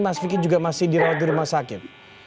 mas vicky juga masih dirawat di rumah sakit